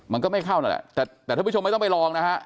มันก็ไม่เข้านั่นแหละแต่ท่านผู้ชมไม่ต้องไปลองนะฮะ